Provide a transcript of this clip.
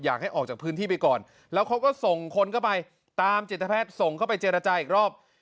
อยากให้ออกจากพื้นที่ไปก่อนแล้วเขาก็ส่งคนเข้าไปตามจิตแพทย์ส่งเข้าไปเจรจาอีกรอบ